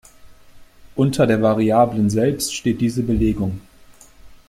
Unter den Variablen selbst steht diese Belegung.